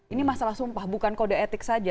ini masalah sumpah bukan kode etik saja